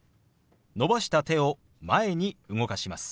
伸ばした手を前に動かします。